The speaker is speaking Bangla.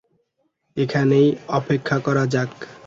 এখানেই অপেক্ষা করা যাক।